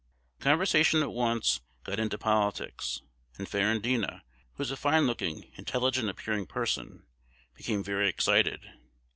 "The conversation at once got into politics; and Ferrandina, who is a fine looking, intelligent appearing person, became very excited.